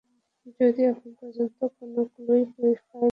যদিও এখন পর্যন্ত কোনো ক্লু-ই পুলিশ পায়নি, তবে তদন্ত চলছে পুরোদমেই।